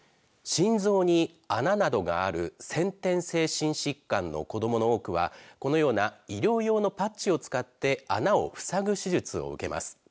心臓に穴などがある先天性疾患の子どもの多くはこのような医療用のパッチを使って穴を塞ぐ手術を受けます。